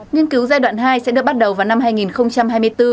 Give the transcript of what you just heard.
nghiên cứu giai đoạn hai sẽ được bắt đầu vào năm hai nghìn hai mươi bốn